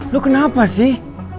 lo kenapa sih